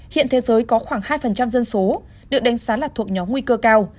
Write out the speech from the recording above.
hiện thế giới có khoảng hai dân số được đánh giá là thuộc nhóm nguy cơ cao